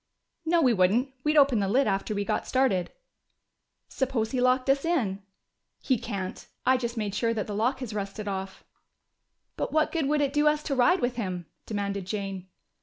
"No, we wouldn't. We'd open the lid after we got started." "Suppose he locked us in?" "He can't. I just made sure that the lock has rusted off." "But what good would it do us to ride with him?" demanded Jane.